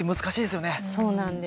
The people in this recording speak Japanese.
そうなんですよ。